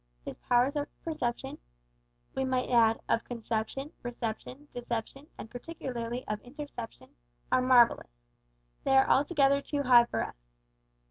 His powers of perception we might add, of conception, reception, deception, and particularly of interception are marvellous. They are altogether too high for us.